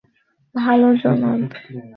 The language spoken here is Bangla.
ভালো, জনাব।